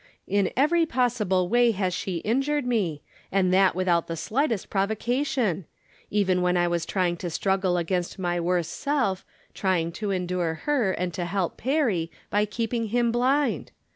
In every possible way has she injured me, and that without the slightest provocation ; even when I was trying to struggle against my worse self, trying to endure her, and to help Perry, by keeping him blind.